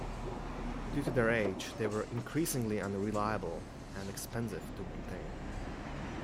Due to their age, they were increasingly unreliable and expensive to maintain.